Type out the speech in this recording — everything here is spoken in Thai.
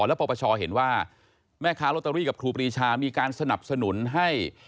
และปปชเห็นว่าแม่ค้าลอตเตอรี่กับครูปรีชามีการสนับสนุนให้